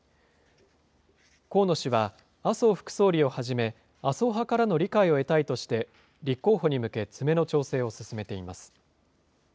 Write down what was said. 河野氏は、麻生副総理をはじめ、麻生派からの理解を得たいとして、立候補に向け、詰めの調整を進めています。